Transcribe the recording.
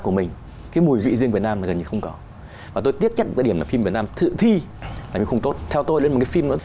cái đại diện dân tộc việt nam đại diện dân tộc việt nam